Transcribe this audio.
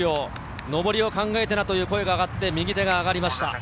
上りを考えてなという声がかかって、右手が上がりました。